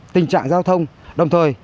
tình trạng giao thông đồng thời